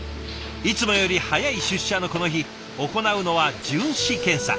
いつもより早い出社のこの日行うのは巡視検査。